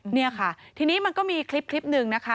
นี่ค่ะทีนี้มันก็มีคลิปหนึ่งนะคะ